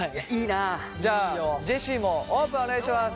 じゃあジェシーもオープンお願いします。